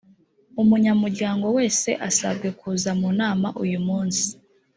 umunyamuryango wese asabwe kuza mu nama uyu munsi